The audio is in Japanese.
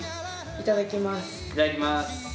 いただきます。